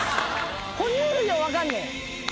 哺乳類は分かんねん。